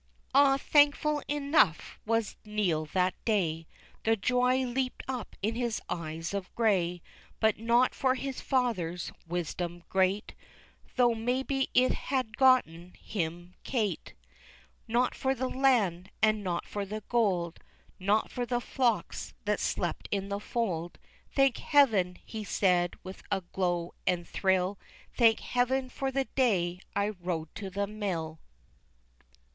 Ah, thankful enough was Neil that day, The joy leaped up in his eyes of gray, But not for his father's wisdom great, Though maybe it had gotten him Kate, Not for the land, and not for the gold, Not for the flocks that slept in the fold, "Thank heaven," he said, with a glow and thrill, "Thank heaven for the day I rode to mill."